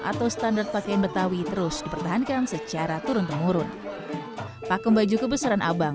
atau standar pakaian betawi terus dipertahankan secara turun temurun pakem baju kebesaran abang